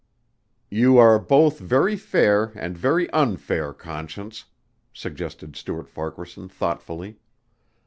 "You are both very fair and very unfair, Conscience," suggested Stuart Farquaharson thoughtfully.